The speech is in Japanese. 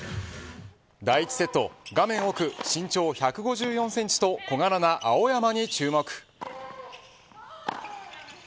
第１セット、画面奥身長１５４センチと小柄な青山に注目。